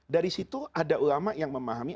dari situ ada ulama yang memahami